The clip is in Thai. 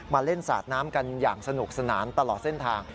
มาเล่นสาดน้ำกันอย่างสนุกสนานตลอดเส้นทาง